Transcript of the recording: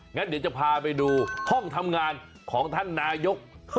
งั้นเดี๋ยวจะพาไปดูห้องทำงานของท่านนายก